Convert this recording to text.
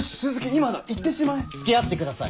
今だいってしまえ。付き合ってください！